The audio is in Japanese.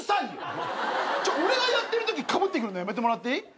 俺がやってるときかぶってくるのやめてもらっていい？